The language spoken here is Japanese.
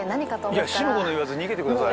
いや四の五の言わず逃げてください。